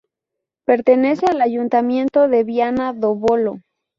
Pertenece al ayuntamiento de Viana do Bolo.